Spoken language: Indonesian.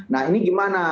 nah ini gimana